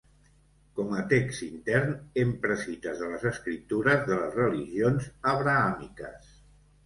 Com a text intern, empra cites de les escriptures de les religions abrahàmiques.